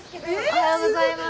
おはようございます。